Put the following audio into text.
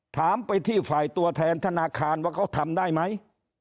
ถามไปที่ฝ่ายตัวแทนธนาคารว่าเขาทำได้ไหม